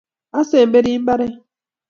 asemberi mbare